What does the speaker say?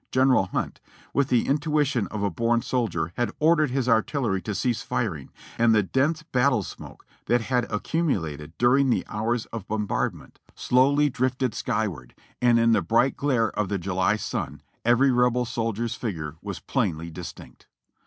General Hunt, with the intuition of a born soldier, had ordered his artillery to cease firing, and the dense battle smoke that had accumulated during the hours of bombardment slowly drifted GETTYSBURG 4II skyward, and in the bright glare of the July sun every Rebel sol dier's figure was painfully distinct.